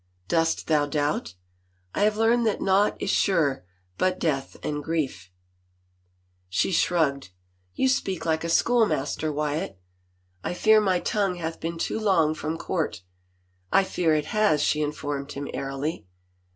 " Dost thou doubt ?"" I have learned that naught is sure but death and grief." 221 THE FAVOR OF KINGS She shrugged. " You speak like a schoolmaster, Wyatt." " I fear my tongue hath been too long from court." " I fear it has 1 " she informed him airily.